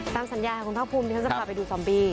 ตามสัญญาคุณท่าภูมิท่านจะกลับไปดูซอมบี้